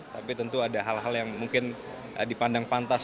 tapi tentu ada hal hal yang mungkin dipandang pantas